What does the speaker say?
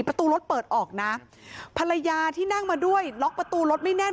ประตูรถเปิดออกนะภรรยาที่นั่งมาด้วยล็อกประตูรถไม่แน่น